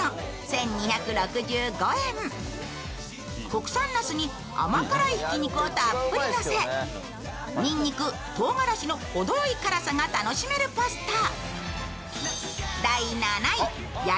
国産なすに甘辛いひき肉をたっぷりのせニンニク、とうがらしの程良い辛さが楽しめるパスタ。